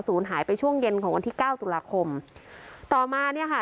หายไปช่วงเย็นของวันที่เก้าตุลาคมต่อมาเนี่ยค่ะ